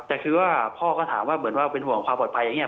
แต่คือว่าพ่อก็ถามว่าเหมือนว่าเป็นห่วงความปลอดภัยอย่างนี้